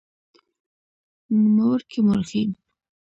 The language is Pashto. نومورکي مؤرخين